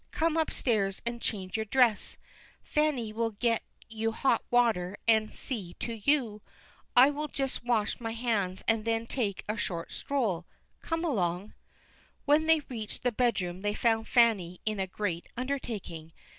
Come upstairs and change your dress; Fanny will get you hot water and see to you. I will just wash my hands and then take a short stroll. Come along." When they reached the bedroom they found Fanny in a great undertaking.